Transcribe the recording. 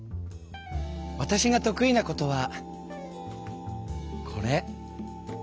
わたしが得意なことはこれ。